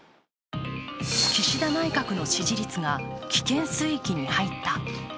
岸田内閣の支持率が危険水域に入った。